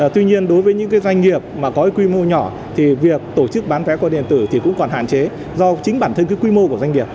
tuy nhiên đối với những doanh nghiệp mà có quy mô nhỏ thì việc tổ chức bán vé qua điện tử thì cũng còn hạn chế do chính bản thân cái quy mô của doanh nghiệp